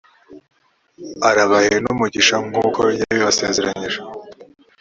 arabahe n’umugisha nk’uko yabibasezeranyije.